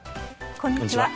こんにちは。